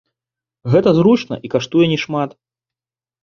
Гэта зручна і каштуе не шмат.